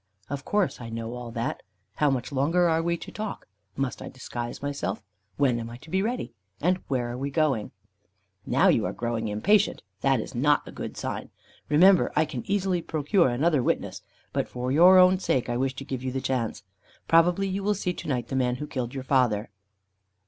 "Of course I know all that. How much longer are we to talk? Must I disguise myself? When am I to be ready? And where are we going?" "Now you are growing impatient. That is not a good sign. Remember, I can easily procure another witness; but for your own sake I wish to give you the chance. Probably you will see to night the man who killed your father."